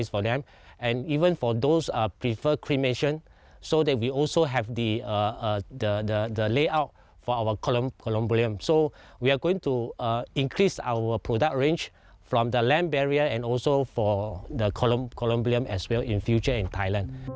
จากประเทศไทยและที่สุดในไทย